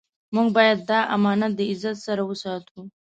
موږ باید دا امانت د عزت سره وساتو.